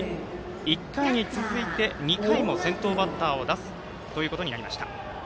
１回に続いて２回も先頭バッターを出すということになりました。